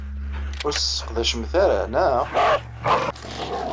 Ur tt-tesseqdacemt ara, naɣ?